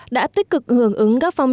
đã tích cực hưởng ứng các phong trí